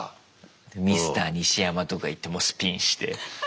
で「ミスターニシヤマ」とか言ってもうスピンして。